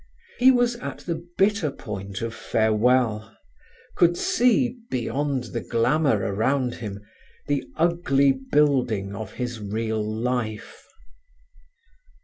He was at the bitter point of farewell; could see, beyond the glamour around him, the ugly building of his real life.